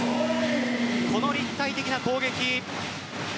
この立体的な攻撃。